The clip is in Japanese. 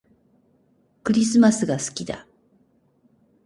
クリスマスが好きだ